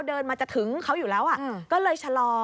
เดินมาจะถึงเขาอยู่แล้วก็เลยชะลอ